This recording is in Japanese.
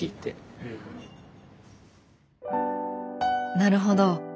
なるほど。